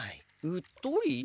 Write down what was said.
うっとり？